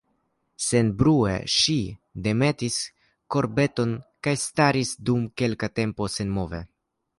Senbrue ŝi demetis korbeton kaj staris, dum kelka tempo, senmove.